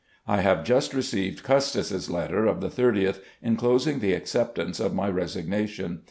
... I have just received Custis's letter of the 30th, inclosing the acceptance of my resignation.